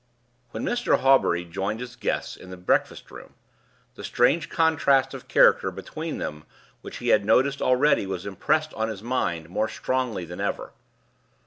When Mr. Hawbury joined his guests in the breakfast room, the strange contrast of character between them which he had noticed already was impressed on his mind more strongly than ever.